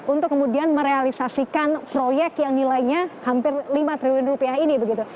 untuk kemudian merealisasikan proyek yang nilainya hampir lima triliun rupiah ini begitu